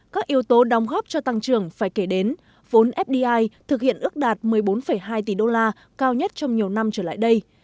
các yếu tố đóng góp cho tăng trưởng phải kể đến vốn fdi thực hiện ước đạt một mươi bốn hai tỷ đô la cao nhất trong nhiều năm trở lại đây